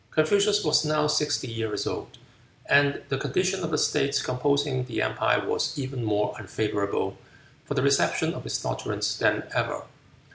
Confucius was now sixty years old, and the condition of the states composing the empire was even more unfavorable for the reception of his doctrines than ever.